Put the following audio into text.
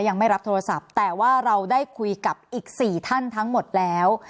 ยังไม่รับโทรศัพท์แต่ว่าเราได้คุยกับอีก๔ท่านทั้งหมดแล้ว